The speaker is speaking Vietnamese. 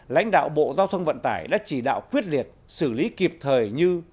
lãnh đạo bộ giao thông vận tải đã chỉ đạo quyết liệt xử lý kịp thời như